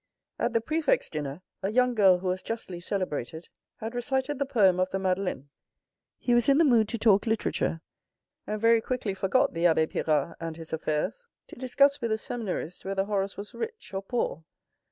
At the prefect's dinner, a young girl who was justly celebrated, had recited the poem of the Madeleine. He was in the mood to talk literature, and very quickly forgot the abbe Pirard and his affairs to discuss with the seminarist whether Horace was rich or poor.